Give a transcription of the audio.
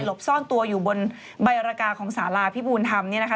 หลบซ่อนตัวอยู่บนใบรากาของสาลาพี่บูนทำ